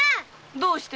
どうして？